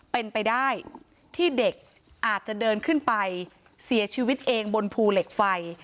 เป็นไปได้ที่เด็กอาจจะเดินขึ้นไปเสียชีวิตเองบนภูเหล็กไฟ